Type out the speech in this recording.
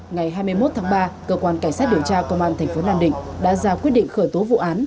ngày hai mươi một tháng ba cơ quan cảnh sát điều tra công an thành phố nam định đã ra quyết định khởi tố vụ án